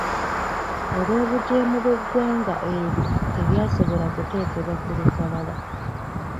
Olw’obugyemu bw’eggwanga eryo, teryasobola kuteekebwa ku lukalala.